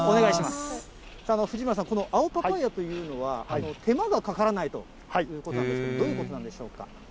藤村さん、この青パパイヤというのは、手間がかからないということなんですけど、どういうことなんでしょうか。